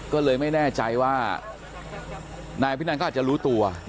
ก็เลยไม่แน่ใจว่านายพินันก็อาจจะรู้ตัว